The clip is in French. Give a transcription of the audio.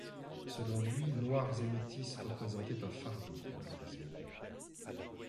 Selon lui, noirs et métis représentaient un fardeau pour le Brésil.